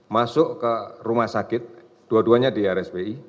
masuk ke rumah sakit dua duanya di rspi